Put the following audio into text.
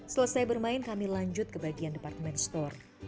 selesai bermain kami lanjut ke bagian departemen store